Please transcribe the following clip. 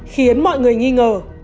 khiến mọi người nghi ngờ